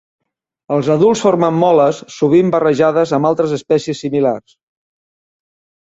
Els adults formen moles, sovint barrejades amb altres espècies similars.